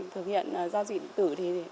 thực hiện giao dịch điện tử